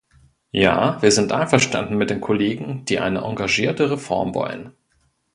Ja, wir sind einverstanden mit den Kollegen, die eine engagiertere Reform wollen.